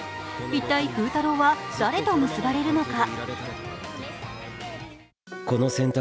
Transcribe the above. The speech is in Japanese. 一体、風太郎は誰と結ばれるのか。